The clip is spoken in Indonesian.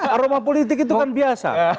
aroma politik itu kan biasa